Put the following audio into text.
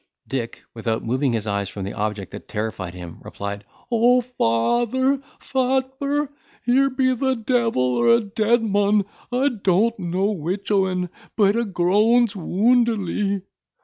Dick, without moving his eyes from the object that terrified him, replied, "O vather! vather! here be either the devil or a dead mon: I doant know which o'en, but a groans woundily."